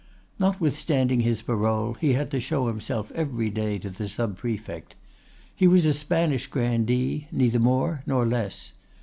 Notwithstanding his parole, he had to show himself every day to the sub prefect. He was a Spanish grandee—neither more nor less.